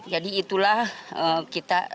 jadi itulah kita